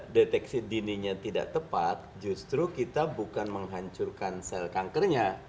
deteksi dininya tidak tepat justru kita bukan menghancurkan sel kankernya